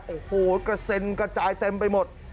โอ้โหกระเซ็นกระจายเต็มไปหมด